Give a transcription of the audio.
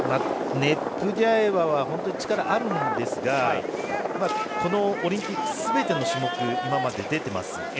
ネプリャエワは本当に力あるんですがこのオリンピックすべての種目今まで出ています。